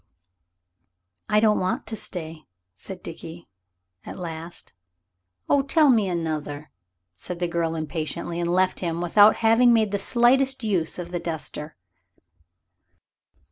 "I don't want to stay," said Dickie "at least " "Oh, tell me another," said the girl impatiently, and left him, without having made the slightest use of the duster.